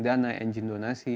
dana engine donasi